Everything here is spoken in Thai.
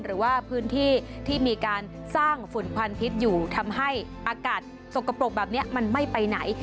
หรือว่าพื้นที่ที่มีการสร้างฝุ่นควันพิษอยู่ทำให้อากาศสกปรกแบบนี้มันไม่ไปไหน